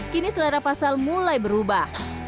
kini selera pasal mulai berubah